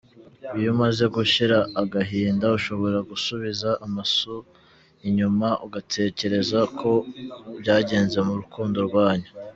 Iyo umaze gushira agahinda, ushobora gusubiza amaso inyuma ugatekereza uko byagenze mu rukundo rwanyu.